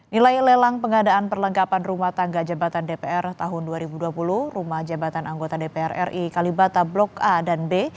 nilai lelang pengadaan perlengkapan rumah tangga jabatan dpr tahun dua ribu dua puluh rumah jabatan anggota dpr ri kalibata blok a dan b